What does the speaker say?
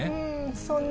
そんな。